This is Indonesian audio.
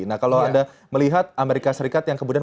nah kalau anda melihat amerika serikat yang kemudian